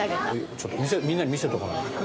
ちょっとみんなに見せておかないと。